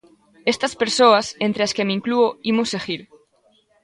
Estas persoas, entre as que me inclúo, imos seguir.